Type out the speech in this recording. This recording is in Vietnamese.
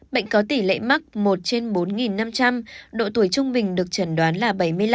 bệnh có tỷ lệ mắc một trên bốn năm trăm linh độ tuổi trung bình được chẩn đoán là bảy mươi năm